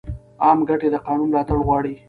عامه ګټې د قانون ملاتړ غواړي.